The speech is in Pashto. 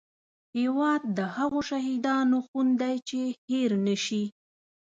هیواد د هغو شهیدانو خون دی چې هېر نه شي